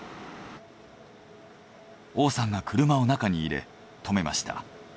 王さんが車を中に入れ止めました。